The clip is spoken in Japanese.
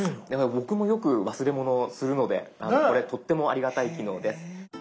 僕もよく忘れ物をするのでこれとってもありがたい機能です。